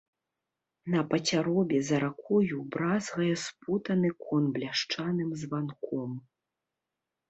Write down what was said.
На пацяробе за ракою бразгае спутаны конь бляшаным званком.